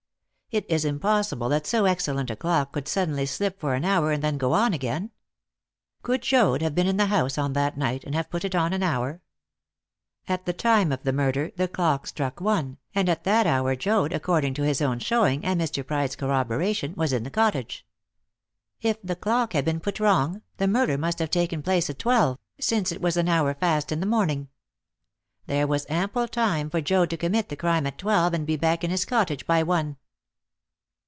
It is impossible that so excellent a clock could suddenly slip for an hour, and then go on again. Could Joad have been in the house on that night, and have put it on an hour? At the time of the murder the clock struck one, and at that hour Joad, according to his own showing and Mr. Pride's corroboration, was in the cottage. If the clock had been put wrong, the murder must have taken place at twelve, since it was an hour fast in the morning. There was ample time for Joad to commit the crime at twelve, and be back in his cottage by one."